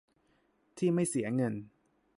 ที่ไม่เสียเงิน